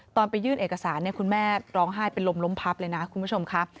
ไปยื่นเอกสารคุณแม่ร้องไห้เป็นลมล้มพับเลยนะคุณผู้ชมครับ